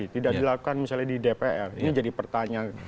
tidak dilakukan misalnya di dpr ini jadi pertanyaan